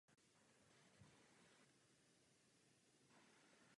Řecký text se dochoval ve dvou málo odlišných verzích.